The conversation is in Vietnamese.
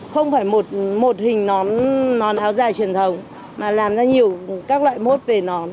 không phải một hình nón nón áo dài truyền thống mà làm ra nhiều các loại mốt về nón